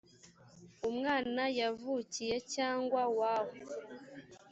umwana yavukiye cyangwa w aho